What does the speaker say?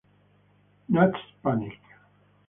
Nuts Panic!